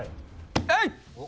えい！